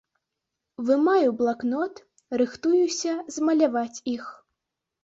Вымаю блакнот, рыхтуюся змаляваць іх.